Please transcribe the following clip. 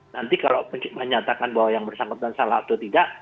nanti kalau menyatakan bahwa yang bersangkutan salah atau tidak